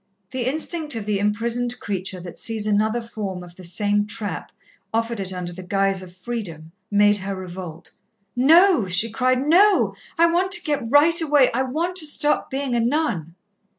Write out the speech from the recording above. The instinct of the imprisoned creature that sees another form of the same trap offered it under the guise of freedom, made her revolt. "No," she cried. "No! I want to get right away I want to stop being a nun."